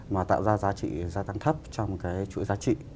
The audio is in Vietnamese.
mà tạo ra giá trị gia tăng thấp trong cái chuỗi giá trị